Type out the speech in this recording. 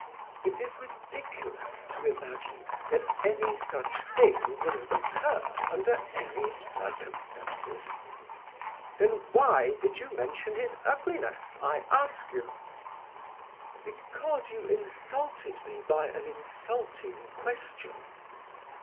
"It is ridiculous to imagine that any such thing could have occurred under any circumstances." "Then why did you mention his ugliness, I ask you?" "Because you insulted me by an insulting question."